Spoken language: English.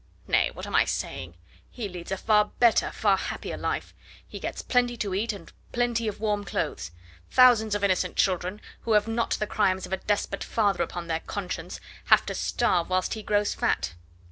Nay! what am I saying? He leads a far better, far happier life. He gets plenty to eat and plenty of warm clothes. Thousands of innocent children, who have not the crimes of a despot father upon their conscience, have to starve whilst he grows fat."